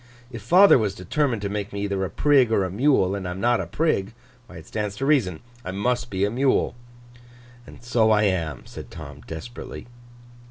If father was determined to make me either a Prig or a Mule, and I am not a Prig, why, it stands to reason, I must be a Mule. And so I am,' said Tom, desperately.